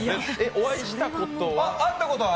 お会いしたことは？